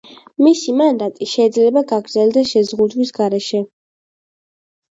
მისი მანდატი შეიძლება გაგრძელდეს შეზღუდვის გარეშე.